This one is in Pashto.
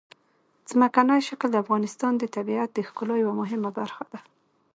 ځمکنی شکل د افغانستان د طبیعت د ښکلا یوه مهمه برخه ده.